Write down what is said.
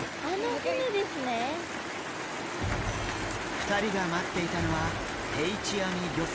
２人が待っていたのは定置網漁船。